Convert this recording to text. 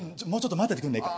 もうちょっと待ってて。